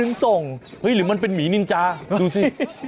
มือนั้นส่งหรือมันเป็นหมีนินจาดูสิ